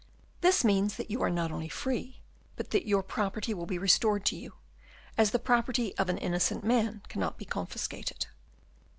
This means, that you are not only free, but that your property will be restored to you; as the property of an innocent man cannot be confiscated.